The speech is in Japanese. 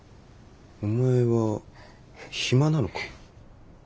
お前は暇なのか？